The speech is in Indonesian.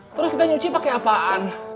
terus kita nyuci pakai apaan